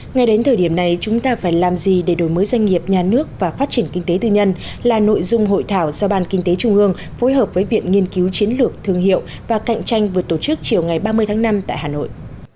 ngay đến thời điểm này chúng ta phải làm gì để đổi mới doanh nghiệp nhà nước và phát triển kinh tế tư nhân là nội dung hội thảo do ban kinh tế trung ương phối hợp với viện nghiên cứu chiến lược thương hiệu và cạnh tranh vừa tổ chức chiều ngày ba mươi tháng năm tại hà nội